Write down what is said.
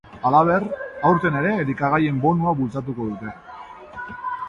Halaber, aurten ere elikagaien bonua bultzatuko dute.